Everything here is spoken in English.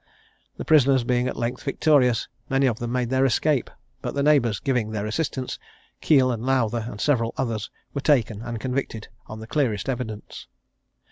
The prisoners being at length victorious, many of them made their escape; but the neighbours giving their assistance, Keele and Lowther, and several others, were taken and convicted on the clearest evidence.